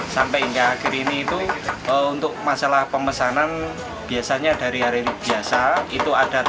sampai hingga akhir ini itu untuk masalah pemesanan biasanya dari hari biasa